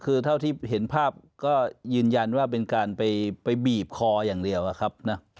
คือเท่าที่เห็นภาพก็ยืนยันว่าเป็นการไปบีบคออย่างเดียวอะครับนะ